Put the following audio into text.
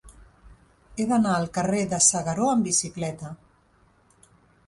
He d'anar al carrer de S'Agaró amb bicicleta.